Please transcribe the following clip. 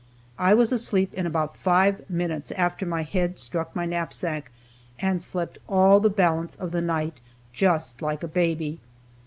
I was asleep in about five minutes after my head struck my knapsack, and slept all the balance of the night just like a baby.